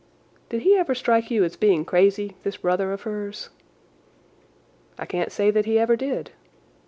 "Did he ever strike you as being crazy—this brother of hers?" "I can't say that he ever did."